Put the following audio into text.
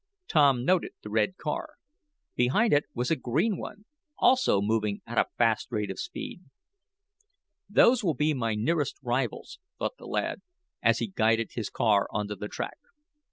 Tom noted the red car. Behind it was a green one, also moving at a fast rate of speed. "Those will be my nearest rivals," thought the lad, as he guided his car onto the track.